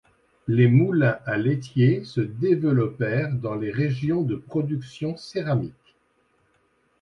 Les moulins à laitier se développèrent dans les régions de production céramique.